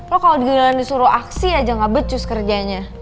lo kalo digeleng geleng disuruh aksi aja ga becus kerjanya